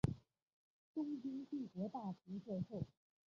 东京帝国大学教授。